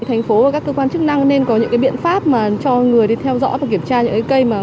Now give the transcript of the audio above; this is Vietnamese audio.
thành phố và các cơ quan chức năng nên có những biện pháp mà cho người đi theo dõi và kiểm tra những cái cây mà